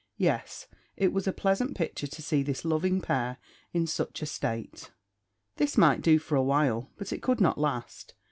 Yes, it was a pleasant picture to see this loving pair in such a state! This might do for a while, but it could not last.